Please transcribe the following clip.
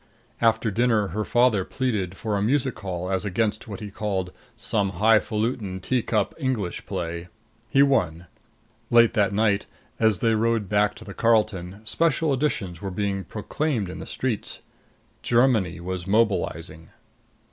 After dinner her father pleaded for a music hall as against what he called "some highfaluting, teacup English play." He won. Late that night, as they rode back to the Carlton, special editions were being proclaimed in the streets. Germany was mobilizing!